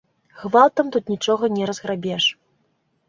Гвалтам тут нічога не разграбеш.